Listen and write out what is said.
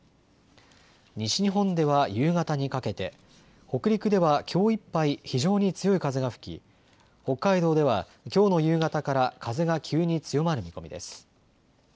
西日本では夕方にかけて、北陸ではきょういっぱい、非常に強い風が吹き北海道ではきょうの夕方から風が急に強まる見込みです。